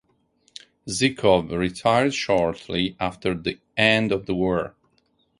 Zykov retired shortly after the end of the war.